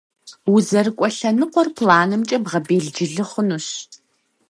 УзэрыкӀуэ лъэныкъуэр планымкӀэ бгъэбелджылы хъунущ.